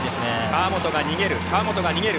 川元が逃げる。